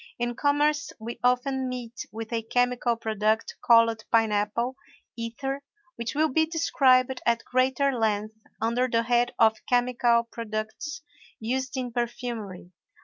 In commerce we often meet with a chemical product called pine apple ether which will be described at greater length under the head of chemical products used in perfumery.